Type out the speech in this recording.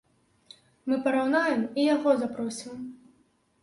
Мы параўнаем, і яго запросім!